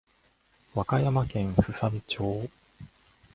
和歌山県すさみ町